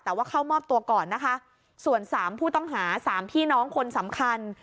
แต่ว่าเข้ามอบตัวก่อนนะคะส่วนสามผู้ต้องหาสามพี่น้องคนสำคัญ